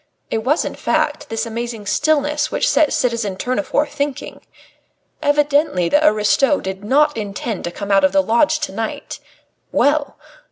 It was, in fact, this amazing stillness which set citizen Tournefort thinking. Evidently the aristo did not intend to come out of the lodge to night. Well!